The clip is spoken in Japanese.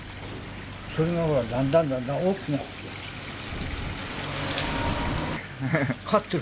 それがだんだんだんだん大きくなって。